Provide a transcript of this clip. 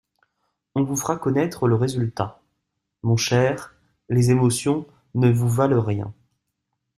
On vous fera connaître le résultat … Mon cher, les émotions ne vous valent rien.